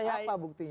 apa buktinya pak